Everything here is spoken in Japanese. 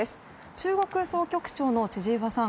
中国総局長の千々岩さん